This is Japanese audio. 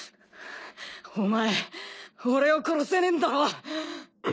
お前俺を殺せねえんだろう？